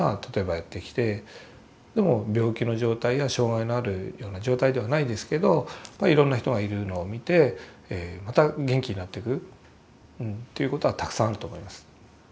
でも病気の状態や障害のあるような状態ではないですけどいろんな人がいるのを見てまた元気になってくということはたくさんあると思います。